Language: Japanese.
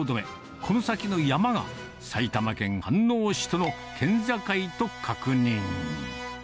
この先の山が埼玉県飯能市との県境と確認。